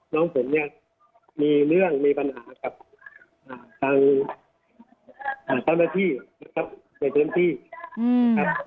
น้องผมมีเรื่องมีปัญหากับทางธนาธิในเตือนที่ครับ